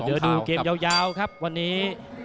เดี๋ยวดูเกมยาวครับวันนี้